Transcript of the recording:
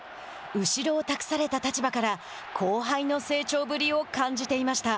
後ろを託された立場から後輩の成長ぶりを感じていました。